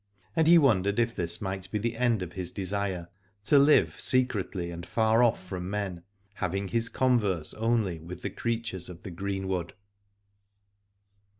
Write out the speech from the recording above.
And he wondered if this might be the end of his desire, to live secretly and far off from men, having his converse only with the creatures of the greenwood.